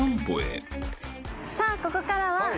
さあここからは。